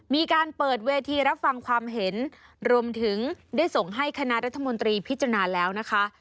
มีการเปิดเวทีรับฟังความเห็นรวมถึงได้ส่งให้คณะรัฐมนตรีพิจารณาแล้วนะคะ